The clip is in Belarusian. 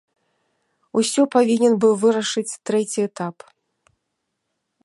Усё павінен быў вырашыць трэці этап.